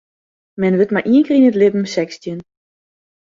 Men wurdt mar ien kear yn it libben sechstjin.